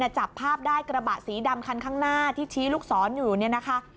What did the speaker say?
จับภาพได้กระบะสีดำคันข้างหน้าที่ชี้ลูกศรอยู่เนี่ยนะคะ